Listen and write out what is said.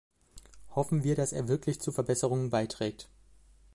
Hoffen wir, dass er wirklich zu Verbesserungen beiträgt!